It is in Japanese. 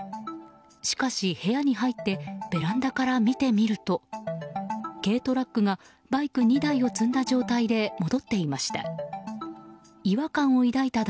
しかし部屋に入ってベランダから見てみると軽トラックがバイク２台を積んだ状態で戻っていました。